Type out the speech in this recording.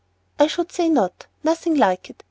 "I should say not, nothing like it.